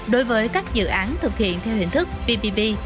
đối với các dự án thực hiện theo hình thức ppp